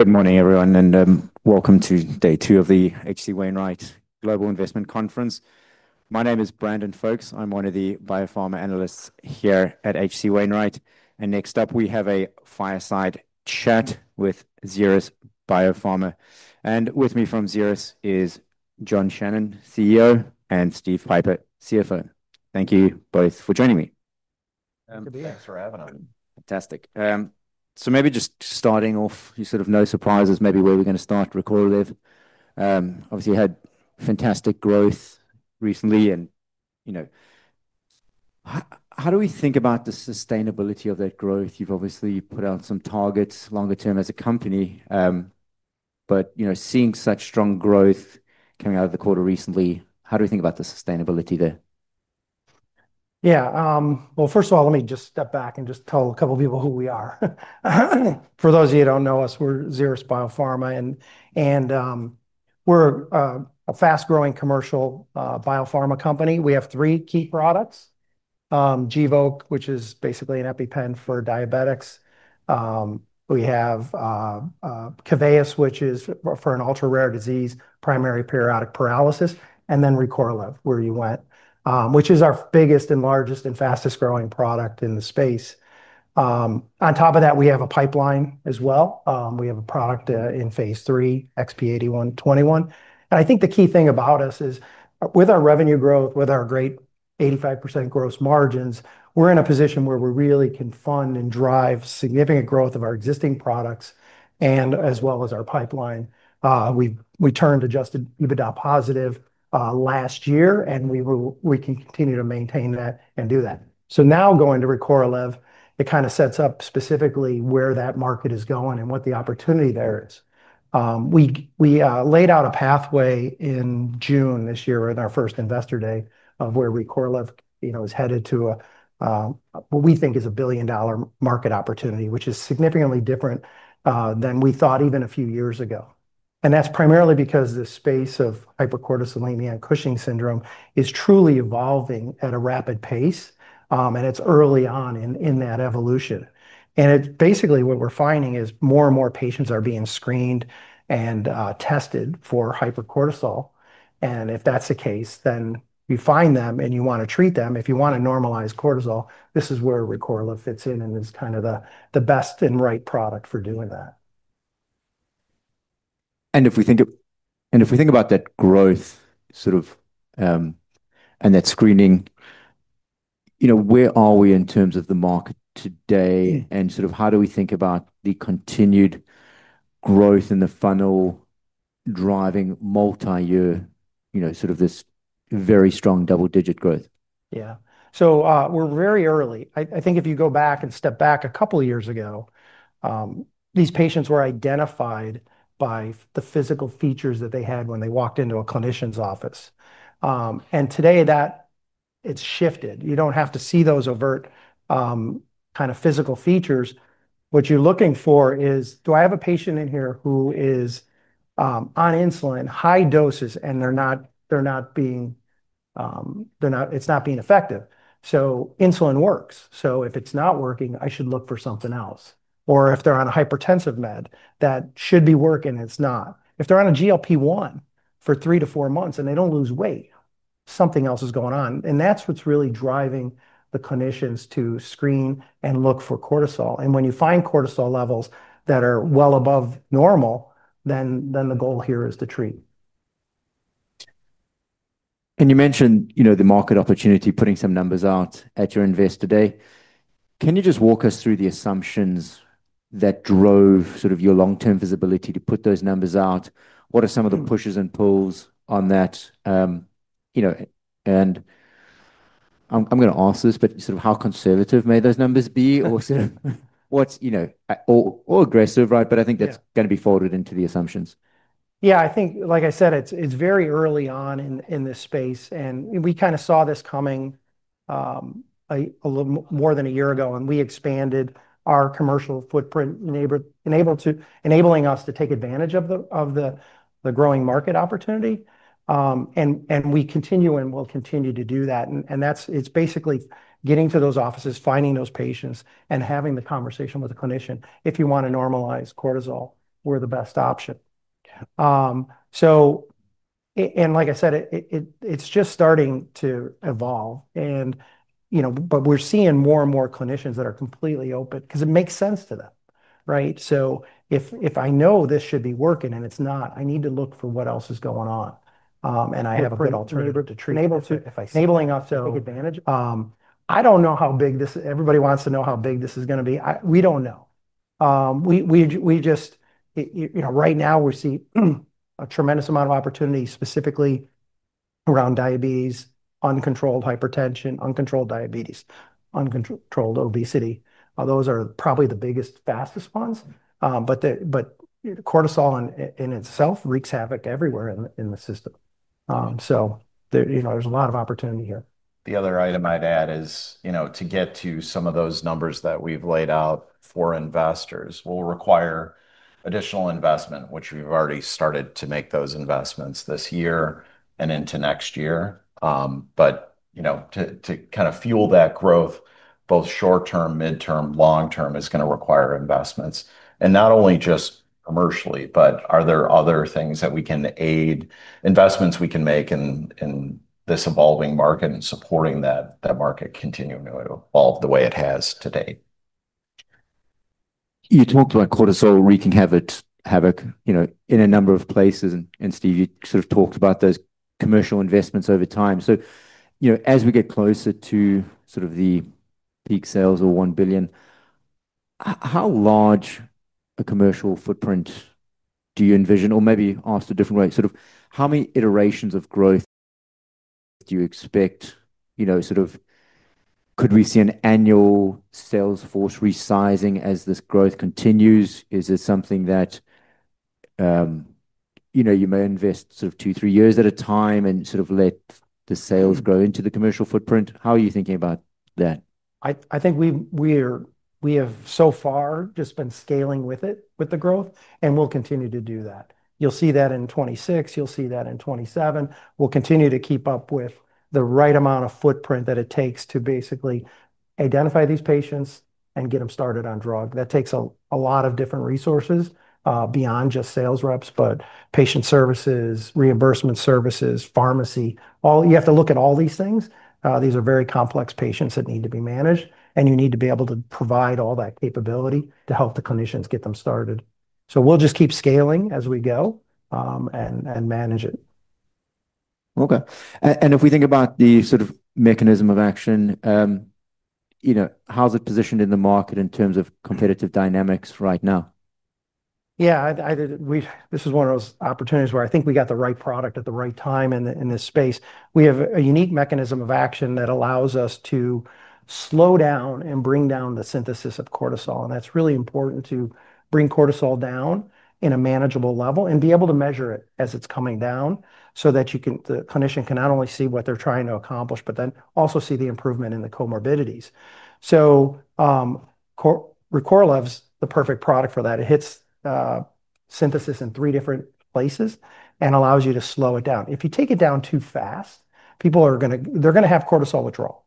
Good morning, everyone, and welcome to day two of the H.C. Wainwright Global Investment Conference. My name is Brandon Foulks. I'm one of the biopharma analysts here at H.C. Wainwright. Next up, we have a fireside chat with Xeris Biopharma Holdings. With me from Xeris is John Shannon, CEO, and Steve Pieper, CFO. Thank you both for joining me. Thanks for having us. Fantastic. Maybe just starting off, you sort of know surprises, maybe where we're going to start the recording with. Obviously, you had fantastic growth recently. You know, how do we think about the sustainability of that growth? You've obviously put out some targets longer term as a company. You know, seeing such strong growth coming out of the quarter recently, how do we think about the sustainability there? Yeah, first of all, let me just step back and just tell a couple of people who we are. For those of you who don't know us, we're Xeris Biopharma Holdings. We're a fast-growing commercial biopharma company. We have three key products: Gvoke®, which is basically an EpiPen for diabetics; we have Keveyis®, which is for an ultra-rare disease, primary periodic paralysis; and then Recorlev®, which is our biggest and largest and fastest growing product in the space. On top of that, we have a pipeline as well. We have a product in phase 3, XP8121. I think the key thing about us is with our revenue growth, with our great 85% gross margins, we're in a position where we really can fund and drive significant growth of our existing products as well as our pipeline. We turned adjusted EBITDA positive last year, and we can continue to maintain that and do that. Now, going to Recorlev®, it kind of sets up specifically where that market is going and what the opportunity there is. We laid out a pathway in June this year in our first investor day of where Recorlev® is headed to what we think is a billion-dollar market opportunity, which is significantly different than we thought even a few years ago. That's primarily because the space of hypercortisolemia and Cushing's syndrome is truly evolving at a rapid pace. It's early on in that evolution. Basically, what we're finding is more and more patients are being screened and tested for hypercortisol. If that's the case, then you find them and you want to treat them. If you want to normalize cortisol, this is where Recorlev® fits in and is kind of the best and right product for doing that. If we think about that growth and that screening, where are we in terms of the market today? How do we think about the continued growth in the funnel driving multi-year, very strong double-digit revenue growth? Yeah, we're very early. I think if you step back a couple of years ago, these patients were identified by the physical features that they had when they walked into a clinician's office. Today, that has shifted. You don't have to see those overt physical features. What you're looking for is, do I have a patient in here who is on insulin, high doses, and they're not being effective? Insulin works, so if it's not working, I should look for something else. If they're on a hypertensive med that should be working and it's not, or if they're on a GLP-1 for three to four months and they don't lose weight, something else is going on. That's what's really driving the clinicians to screen and look for cortisol. When you find cortisol levels that are well above normal, then the goal here is to treat. You mentioned the market opportunity, putting some numbers out at your investor day. Can you just walk us through the assumptions that drove your long-term visibility to put those numbers out? What are some of the pushes and pulls on that? I'm going to ask this, but how conservative may those numbers be, or aggressive, right? I think that's going to be folded into the assumptions. Yeah, I think, like I said, it's very early on in this space. We kind of saw this coming a little more than a year ago, and we expanded our commercial footprint, enabling us to take advantage of the growing market opportunity. We continue and will continue to do that. It's basically getting to those offices, finding those patients, and having the conversation with a clinician. If you want to normalize cortisol, we're the best option. Like I said, it's just starting to evolve. We're seeing more and more clinicians that are completely open because it makes sense to them, right? If I know this should be working and it's not, I need to look for what else is going on, and I have a good alternative to treat if I see a big advantage. I don't know how big this, everybody wants to know how big this is going to be. We don't know. Right now we see a tremendous amount of opportunity specifically around diabetes, uncontrolled hypertension, uncontrolled diabetes, uncontrolled obesity. Those are probably the biggest, fastest ones. Cortisol in itself wreaks havoc everywhere in the system. There's a lot of opportunity here. The other item I'd add is, you know, to get to some of those numbers that we've laid out for investors will require additional investment, which we've already started to make this year and into next year. To kind of fuel that growth, both short term, mid term, long term, is going to require investments. Not only just commercially, but are there other things that we can aid, investments we can make in this evolving market and supporting that market continue to evolve the way it has to date? You talked about cortisol wreaking havoc in a number of places. Steve, you sort of talked about those commercial investments over time. As we get closer to the peak sales or $1 billion, how large a commercial footprint do you envision, or maybe asked a different way, how many iterations of growth do you expect? Could we see an annual sales force resizing as this growth continues? Is this something that you may invest two, three years at a time and let the sales grow into the commercial footprint? How are you thinking about that? I think we have so far just been scaling with it, with the growth, and we'll continue to do that. You'll see that in 2026, you'll see that in 2027. We'll continue to keep up with the right amount of footprint that it takes to basically identify these patients and get them started on drug. That takes a lot of different resources beyond just sales reps, but patient services, reimbursement services, pharmacy, you have to look at all these things. These are very complex patients that need to be managed, and you need to be able to provide all that capability to help the clinicians get them started. We'll just keep scaling as we go and manage it. OK. If we think about the sort of mechanism of action, you know, how is it positioned in the market in terms of competitive dynamics right now? Yeah, this is one of those opportunities where I think we got the right product at the right time in this space. We have a unique mechanism of action that allows us to slow down and bring down the synthesis of cortisol. That's really important to bring cortisol down in a manageable level and be able to measure it as it's coming down, so that the clinician can not only see what they're trying to accomplish, but also see the improvement in the comorbidities. Recorlev® is the perfect product for that. It hits synthesis in three different places and allows you to slow it down. If you take it down too fast, people are going to have cortisol withdrawal,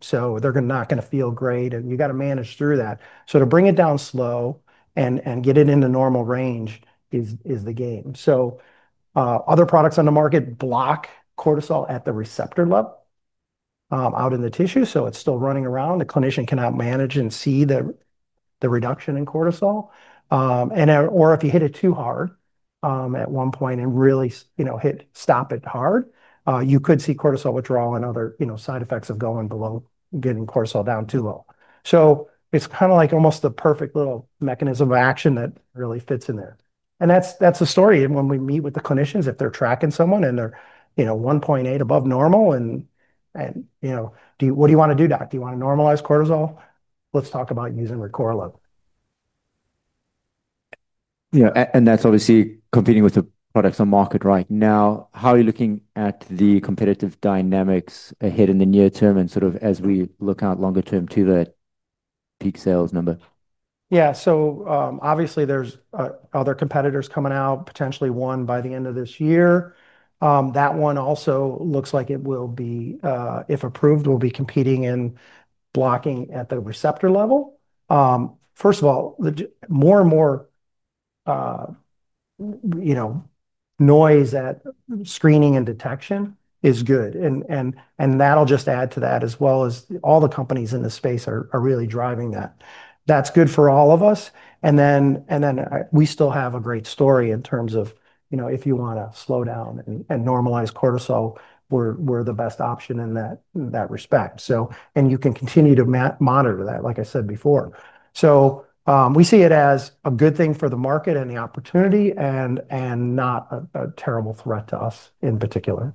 so they're not going to feel great. You've got to manage through that. To bring it down slow and get it in the normal range is the game. Other products on the market block cortisol at the receptor level out in the tissue, so it's still running around. The clinician cannot manage and see the reduction in cortisol. If you hit it too hard at one point and really hit stop it hard, you could see cortisol withdrawal and other side effects of going below, getting cortisol down too low. It's kind of like almost the perfect little mechanism of action that really fits in there. That's the story. When we meet with the clinicians, if they're tracking someone and they're 1.8 above normal, and you know, what do you want to do? Do you want to normalize cortisol? Let's talk about using Recorlev®. Yeah, and that's obviously competing with the products on the market right now. How are you looking at the competitive dynamics ahead in the near term, and sort of as we look out longer term to that peak sales number? Yeah, so obviously there's other competitors coming out, potentially one by the end of this year. That one also looks like it will be, if approved, competing and blocking at the receptor level. First of all, more and more noise at screening and detection is good. That'll just add to that as well as all the companies in this space are really driving that. That's good for all of us. We still have a great story in terms of, you know, if you want to slow down and normalize cortisol, we're the best option in that respect. You can continue to monitor that, like I said before. We see it as a good thing for the market and the opportunity and not a terrible threat to us in particular.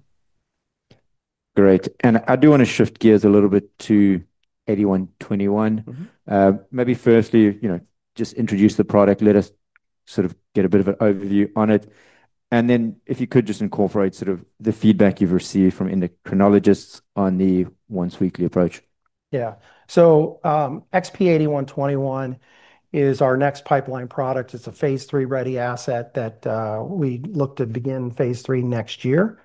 Great. I do want to shift gears a little bit to XP8121. Maybe firstly, just introduce the product, let us sort of get a bit of an overview on it. If you could just incorporate sort of the feedback you've received from endocrinologists on the once weekly approach. Yeah, so XP8121 is our next pipeline product. It's a phase 3-ready asset that we look to begin phase 3 next year.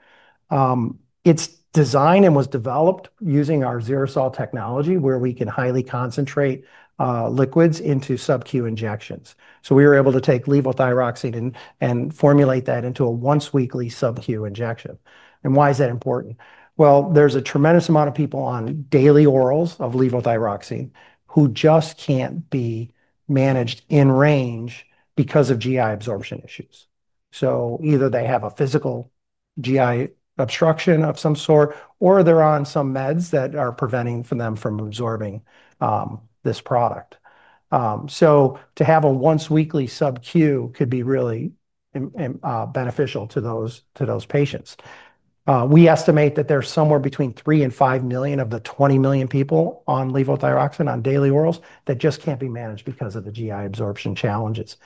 It's designed and was developed using our XeriSol® technology where we can highly concentrate liquids into subcutaneous injections. We were able to take levothyroxine and formulate that into a once-weekly subcutaneous injection. Why is that important? There's a tremendous amount of people on daily orals of levothyroxine who just can't be managed in range because of GI absorption issues. Either they have a physical GI obstruction of some sort, or they're on some meds that are preventing them from absorbing this product. To have a once-weekly subcutaneous could be really beneficial to those patients. We estimate that there's somewhere between 3 and 5 million of the 20 million people on levothyroxine on daily orals that just can't be managed because of the GI absorption challenges.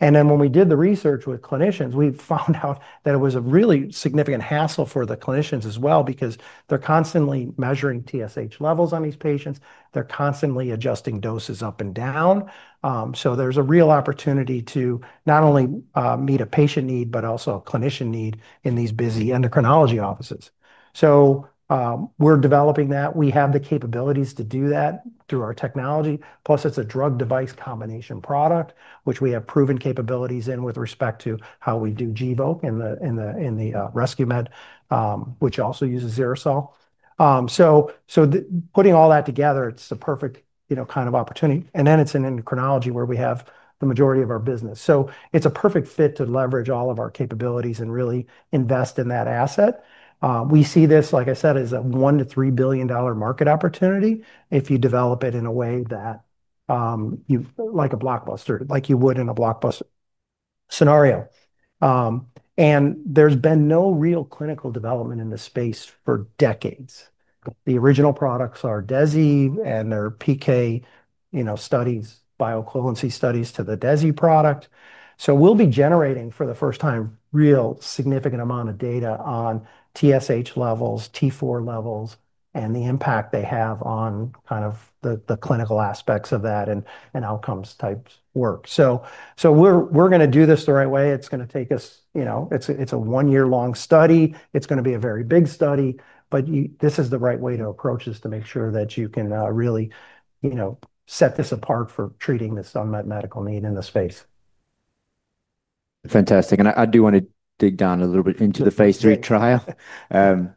When we did the research with clinicians, we found out that it was a really significant hassle for the clinicians as well because they're constantly measuring TSH levels on these patients. They're constantly adjusting doses up and down. There's a real opportunity to not only meet a patient need, but also a clinician need in these busy endocrinology offices. We're developing that. We have the capabilities to do that through our technology. Plus, it's a drug-device combination product, which we have proven capabilities in with respect to how we do Gvoke® in the rescue med, which also uses XeriSol®. Putting all that together, it's the perfect, you know, kind of opportunity. It's in endocrinology where we have the majority of our business. It's a perfect fit to leverage all of our capabilities and really invest in that asset. We see this, like I said, as a $1 to $3 billion market opportunity if you develop it in a way that you like a blockbuster, like you would in a blockbuster scenario. There's been no real clinical development in this space for decades. The original products are DESI and their PK, you know, studies, bioequivalency studies to the DESI product. We'll be generating for the first time a real significant amount of data on TSH levels, T4 levels, and the impact they have on kind of the clinical aspects of that and outcomes type work. We're going to do this the right way. It's going to take us, you know, it's a one-year-long study. It's going to be a very big study. This is the right way to approach this to make sure that you can really, you know, set this apart for treating this unmet medical need in the space. Fantastic. I do want to dig down a little bit into the phase 3 trial. The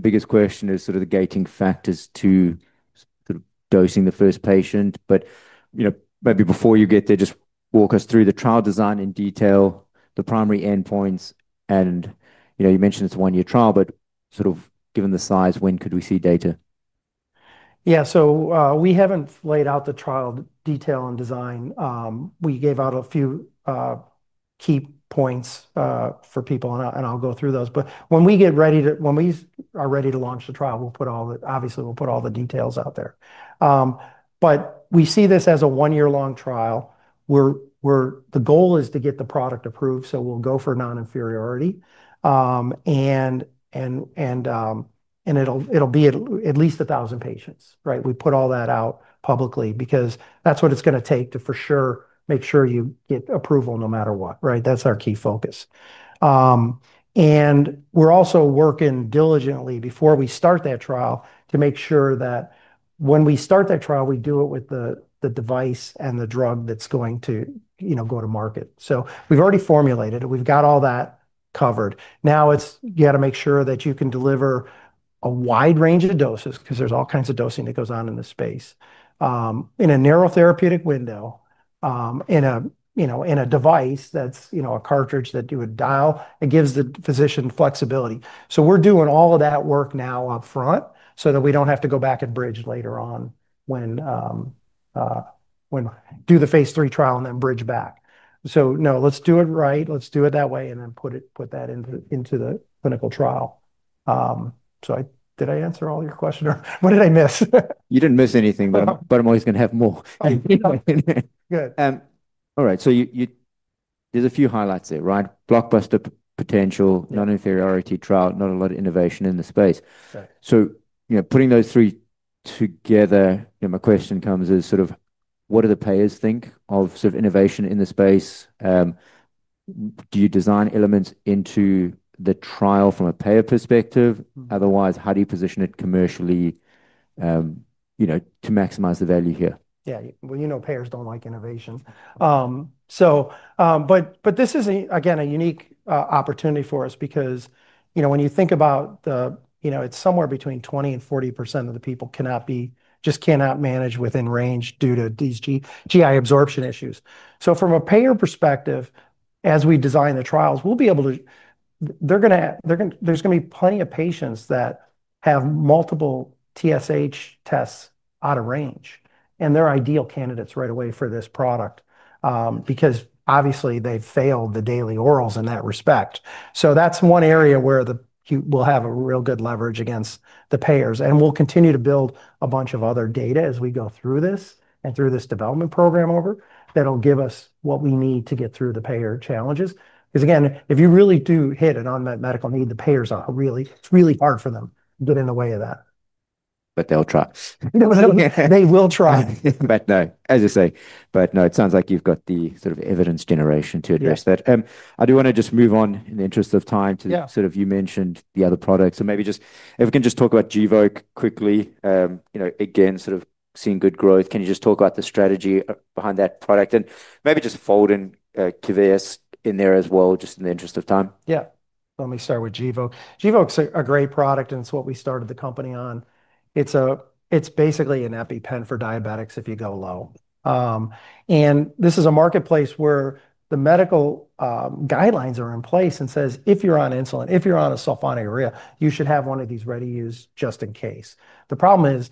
biggest question is the gating factors to dosing the first patient. Maybe before you get there, just walk us through the trial design in detail, the primary endpoints. You mentioned it's a one-year trial, but given the size, when could we see data? Yeah, we haven't laid out the trial detail and design. We gave out a few key points for people, and I'll go through those. When we are ready to launch the trial, we'll put all the details out there. We see this as a one-year-long trial. The goal is to get the product approved. We'll go for non-inferiority, and it'll be at least 1,000 patients. We put all that out publicly because that's what it's going to take to for sure make sure you get approval no matter what. That's our key focus. We're also working diligently before we start that trial to make sure that when we start that trial, we do it with the device and the drug that's going to go to market. We've already formulated it. We've got all that covered. Now you got to make sure that you can deliver a wide range of doses because there's all kinds of dosing that goes on in this space in a neurotherapeutic window, in a device that's a cartridge that you would dial. It gives the physician flexibility. We're doing all of that work now up front so that we don't have to go back and bridge later on when we do the phase 3 trial and then bridge back. No, let's do it right. Let's do it that way and then put that into the clinical trial. Did I answer all your question or what did I miss? You didn't miss anything, but I'm always going to have more. All right. There's a few highlights there, right? Blockbuster potential, non-inferiority trial, not a lot of innovation in the space. Putting those three together, my question comes as sort of what do the payers think of sort of innovation in the space? Do you design elements into the trial from a payer perspective? Otherwise, how do you position it commercially to maximize the value here? Yeah, you know, payers don't like innovation. This is, again, a unique opportunity for us because, you know, when you think about it, it's somewhere between 20% and 40% of the people just cannot manage within range due to these GI absorption issues. From a payer perspective, as we design the trials, we'll be able to, there's going to be plenty of patients that have multiple TSH tests out of range. They're ideal candidates right away for this product because obviously they failed the daily orals in that respect. That's one area where we'll have real good leverage against the payers. We'll continue to build a bunch of other data as we go through this and through this development program that will give us what we need to get through the payer challenges. Again, if you really do hit an unmet medical need, the payers are really, it's really hard for them to get in the way of that. They'll try. They will try. It sounds like you've got the sort of evidence generation to address that. I do want to just move on in the interest of time to, you mentioned the other products. Maybe if we can just talk about Gvoke® quickly, you know, again, sort of seeing good growth. Can you just talk about the strategy behind that product and maybe just folding Keveyis® in there as well, just in the interest of time? Yeah, let me start with Gvoke®. Gvoke® is a great product and it's what we started the company on. It's basically an EpiPen for diabetics if you go low. This is a marketplace where the medical guidelines are in place and say, if you're on insulin, if you're on a sulfonylurea, you should have one of these ready-to-use just in case. The problem is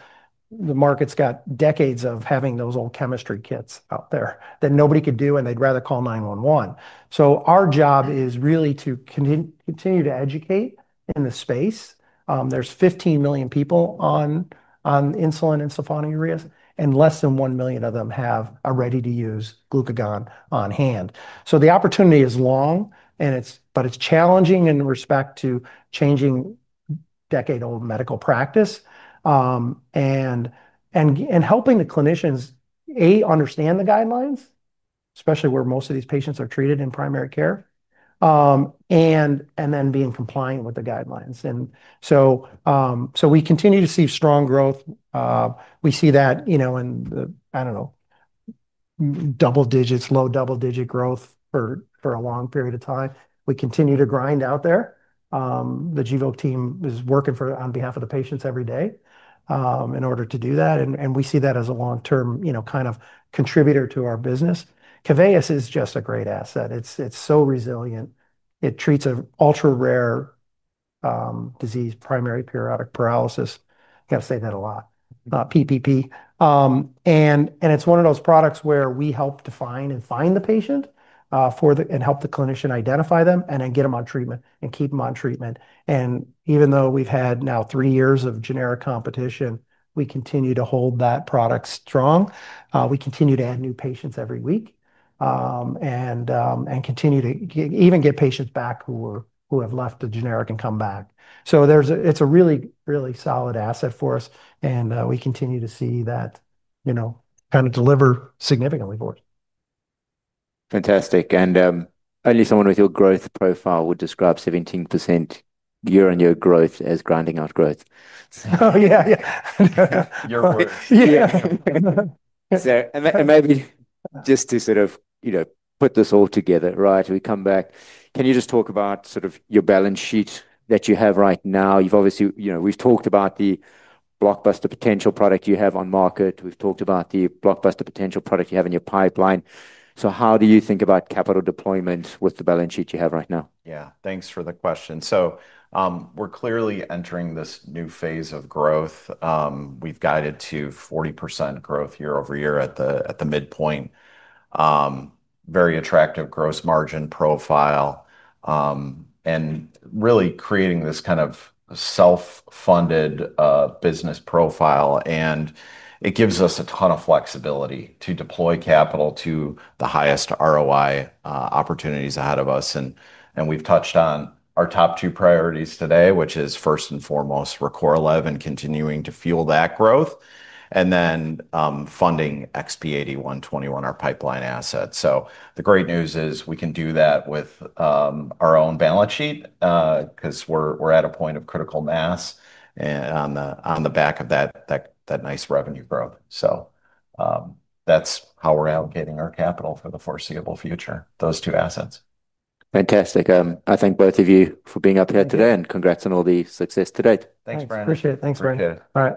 the market's got decades of having those old chemistry kits out there that nobody could do and they'd rather call 911. Our job is really to continue to educate in the space. There's 15 million people on insulin and sulfonylureas and less than 1 million of them have a ready-to-use glucagon on hand. The opportunity is long, but it's challenging in respect to changing decade-old medical practice and helping the clinicians, A, understand the guidelines, especially where most of these patients are treated in primary care, and then being compliant with the guidelines. We continue to see strong growth. We see that, you know, in the, I don't know, double digits, low double-digit growth for a long period of time. We continue to grind out there. The Gvoke® team is working on behalf of the patients every day in order to do that. We see that as a long-term, you know, kind of contributor to our business. Keveyis® is just a great asset. It's so resilient. It treats an ultra-rare disease, primary periodic paralysis. I got to say that a lot. Not PPP. It's one of those products where we help define and find the patient and help the clinician identify them and then get them on treatment and keep them on treatment. Even though we've had now three years of generic competition, we continue to hold that product strong. We continue to add new patients every week and continue to even get patients back who have left the generic and come back. It's a really, really solid asset for us. We continue to see that, you know, kind of deliver significantly for us. Fantastic. Only someone with your growth profile would describe 17% year-on-year growth as grinding out growth. Yeah, yeah. Maybe just to sort of put this all together, we come back. Can you just talk about your balance sheet that you have right now? You've obviously, we've talked about the blockbuster potential product you have on market. We've talked about the blockbuster potential product you have in your pipeline. How do you think about capital deployment with the balance sheet you have right now? Yeah, thanks for the question. We're clearly entering this new phase of growth. We've guided to 40% growth year over year at the midpoint, very attractive gross margin profile, and really creating this kind of self-funded business profile. It gives us a ton of flexibility to deploy capital to the highest ROI opportunities ahead of us. We've touched on our top two priorities today, which is first and foremost Recorlev and continuing to fuel that growth, and then funding XP8121, our pipeline asset. The great news is we can do that with our own balance sheet because we're at a point of critical mass on the back of that nice revenue growth. That's how we're allocating our capital for the foreseeable future, those two assets. Fantastic. I thank both of you for being up here today, and congrats on all the success to date. Thanks, Brandon. Appreciate it. Thanks, Brandon. All right.